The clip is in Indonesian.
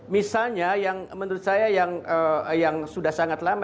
misalnya yang menurut saya yang sudah sangat lama